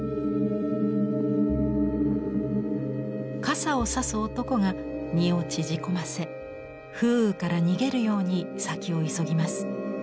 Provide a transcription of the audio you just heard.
傘を差す男が身を縮こませ風雨から逃げるように先を急ぎます。